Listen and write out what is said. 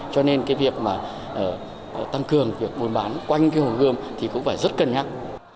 cho nên cái việc mà tăng cường việc vun bản quanh cái hồ gươm thì cũng phải rất cần nhắc